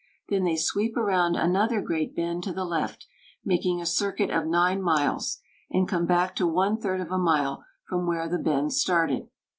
Then they sweep around another great bend to the left, making a circuit of nine miles, and come back to one third of a mile from where the bend started.